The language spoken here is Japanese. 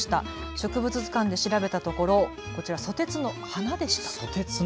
植物図鑑で調べたところソテツの花でした。